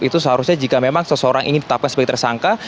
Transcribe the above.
itu seharusnya jika memang seseorang ingin tetapkan sebagai tersangka